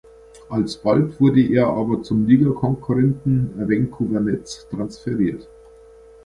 Alsbald wurde er aber zum Ligakonkurrenten Vancouver Nats transferiert.